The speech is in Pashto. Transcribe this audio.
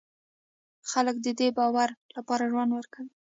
خلک د دې باور لپاره ژوند ورکوي.